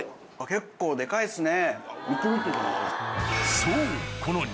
結構デカいっすね。